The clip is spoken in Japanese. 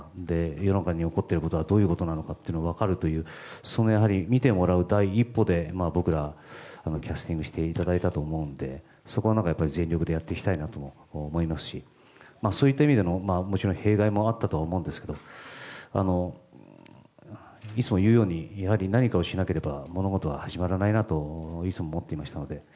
世の中で起こっているのはどういうことなのか分かるという見てもらう第一歩で、僕らをキャスティングしていただいたと思うのでそこは、全力でやっていきたいなと思いますしそういった意味での弊害もあったとは思うんですがいつも言うようにやはり何かをしなければ物事は始まらないなといつも思っていましたので。